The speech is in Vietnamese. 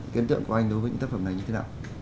cái ấn tượng của anh đối với những tác phẩm này như thế nào